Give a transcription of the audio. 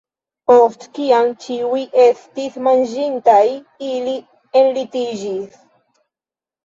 Post kiam ĉiuj estis manĝintaj, ili enlitiĝis.